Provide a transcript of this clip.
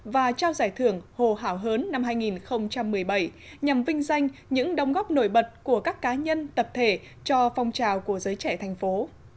và trao giải thưởng hồ hảo hớn năm hai nghìn một mươi bảy nhằm vinh danh những đóng góp nổi bật của các cá nhân tập thể cho phong trào của giới trẻ thành phố